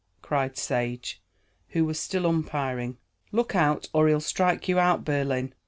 cried Sage, who was still umpiring. "Look out or he'll strike you out, Berlin."